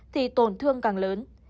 thì tổn thương càng lớn